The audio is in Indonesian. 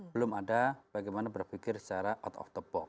belum ada bagaimana berpikir secara out of the box